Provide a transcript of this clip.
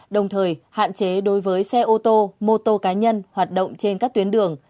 đồng thời hạn chế đối với xe ô tô mô tô cá nhân hoạt động trên các tuyến đường